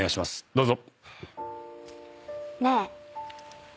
どうぞ。